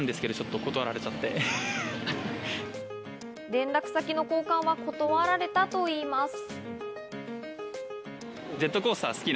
連絡先の交換は断られたといいます。